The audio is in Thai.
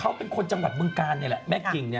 มันเป็นคนจังหวัดเมืองกาลแม่กิ่ง